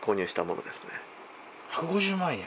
１５０万円？